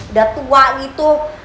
udah tua gitu